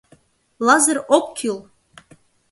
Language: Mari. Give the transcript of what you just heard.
Лазыр ок кӱл!